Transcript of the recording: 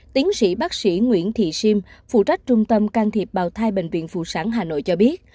tiến sĩ bác sĩ nguyễn thị siêm phụ trách trung tâm can thiệp bào thai bệnh viện phụ sản hà nội cho biết